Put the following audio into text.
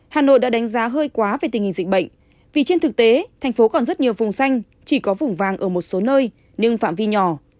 hà nội đã đánh giá hơi quá về tình hình dịch bệnh vì trên thực tế thành phố còn rất nhiều vùng xanh chỉ có vùng vàng ở một số nơi nhưng phạm vi nhỏ